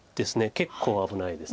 結構危ないです。